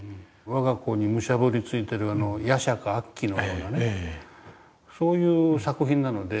わが子にむしゃぶりついてる夜叉か悪鬼のようなねそういう作品なので。